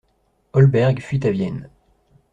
Olberg fuit à Vienne.